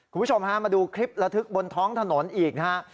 คุณผู้ชมฮะมาดูคลิประทึกบนท้องถนนอีกนะฮะ